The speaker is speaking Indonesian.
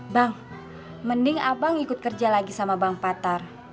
bang mending abang ikut kerja lagi sama bang patar